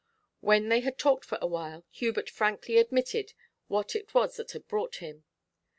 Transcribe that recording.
When they had talked for a while, Hubert frankly admitted what it was that had brought him.